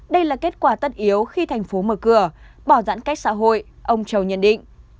đây là kết quả tất yếu khi thành phố mở cửa bỏ giãn cách xã hội ông châu nhận định